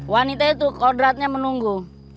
wanita itu kodratnya menunggu